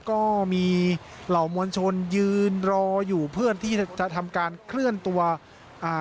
ก็มีเหล่ามวลชนยืนรออยู่เพื่อที่จะทำการเคลื่อนตัวอ่า